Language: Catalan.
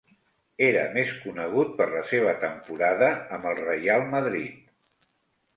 Era més conegut per la seva temporada amb el Reial Madrid.